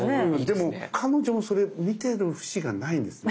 でも彼女もそれ見てる節がないんです。